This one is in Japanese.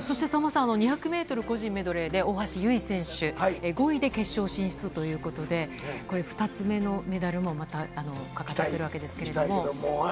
そしてさんまさん、２００メートル個人メドレーで大橋悠依選手、５位で決勝進出ということで、これ、２つ目のメダルも、またかかってるわけですけれいきたいけども。